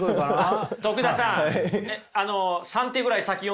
徳田さん